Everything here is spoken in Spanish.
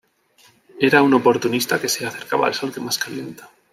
Era un oportunista que se acercaba al sol que más calienta